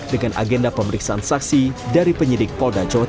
dengan agenda pemeriksaan saksi dari penyidik polda jawa tengah